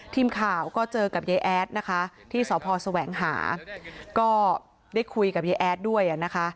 ทีมข่าวก็เจอกับยายแอดนะคะที่สพแสวงหาก็ได้คุยกับยายแอดด้วยนะคะ